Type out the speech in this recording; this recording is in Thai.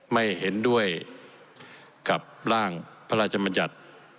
ไม่เห็นด้วยกับร่างพระราชมัญญัติ